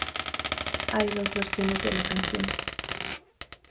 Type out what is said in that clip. Hay dos versiones de la canción.